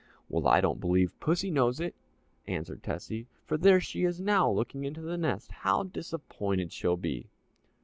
"Well, I don't believe pussy knows it," answered Tessie, "for there she is now looking into the nest how disappointed she'll be!"